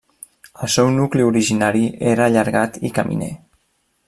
El seu nucli originari era allargat i caminer.